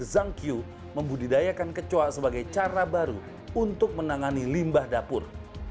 zangkyu membudidayakan kecoa sebagai cara baru untuk menangani limbah dapur